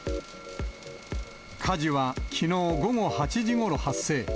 火事はきのう午後８時ごろ発生。